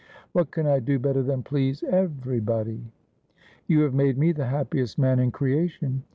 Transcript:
' What can I do better than please everybody ?'' You have made me the happiest man in creation.'